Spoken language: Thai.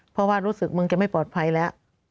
เพราะว่ารู้สึกมึงจะไม่ปลอดภัยแล้ว